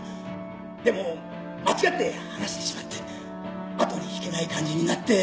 でも間違って話してしまって後に引けない感じになって。